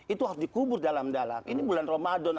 itu harus dikubur dalam dalam ini bulan ramadan